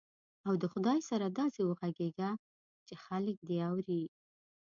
او د خدای سره داسې وغږېږه چې خلک دې اوري.